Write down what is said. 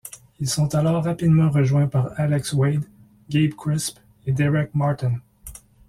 Ils sont alors rapidement rejoints par Alex Wade, Gabe Crisp et Derek Martin.